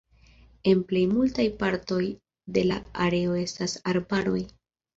En plej multaj partoj de la areo estas arbaroj.